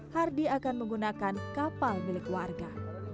hardi akan menggunakan kapal milik warga